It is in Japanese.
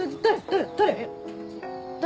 誰？